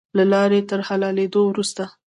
له لارې تر حلالېدلو وروسته.